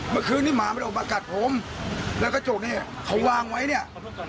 เมื่อคืนนี้หมามันออกมากัดผมแล้วกระจกเนี่ยเขาวางไว้เนี่ย